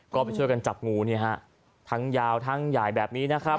ก็ไปช่วยกันจับงูนี่ฮะทั้งยาวทั้งใหญ่แบบนี้นะครับ